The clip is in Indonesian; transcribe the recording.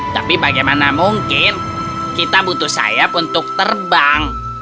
tapi bagaimana mungkin kita butuh sayap untuk terbang